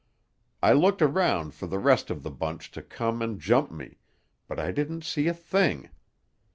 I looked around for the rest of the bunch to come and jump me, but I didn't see a thing.